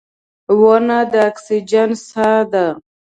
• ونه د اکسیجن ساه ده.